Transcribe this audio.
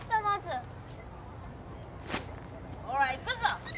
ほら行くぞ！